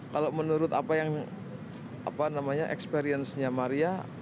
kalau menurut apa yang apa namanya experience nya maria